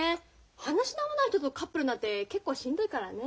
話の合わない人とカップルなんて結構しんどいからね。